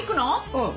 うん。